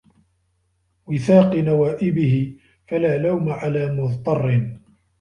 وِثَاقِ نَوَائِبِهِ ، فَلَا لَوْمَ عَلَى مُضْطَرٍّ